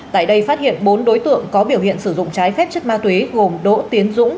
tại đây phát hiện bốn đối tượng có biểu hiện sử dụng trái phép chất ma túy gồm đỗ tiến dũng